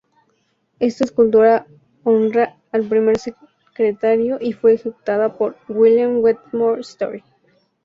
Esta escultura honra al primer secretario y fue ejecutada por William Wetmore Story.